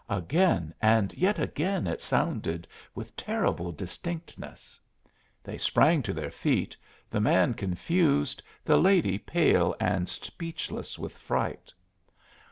Again and yet again it sounded, with terrible distinctness. They sprang to their feet, the man confused, the lady pale and speechless with fright.